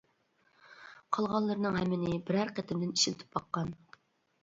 قالغانلىرىنىڭ ھەممىنى بىرەر قېتىمدىن ئىشلىتىپ باققان.